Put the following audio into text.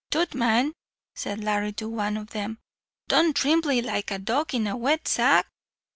"Tut, man," said Larry to one of them, "don't thrimble like a dog in a wet sack.